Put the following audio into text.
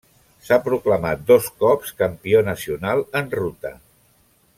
S'ha proclamat dos cops campió nacional en ruta.